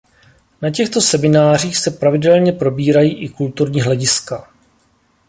Na těchto seminářích se pravidelně probírají i kulturní hlediska.